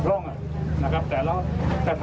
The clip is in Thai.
แต่ถามว่าเราต้องรับผิดชอบไหมต้องรับผิดชอบ